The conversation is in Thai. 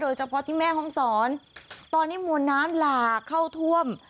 เฉพาะที่แม่ห้องศรตอนนี้มวลน้ำหลากเข้าท่วม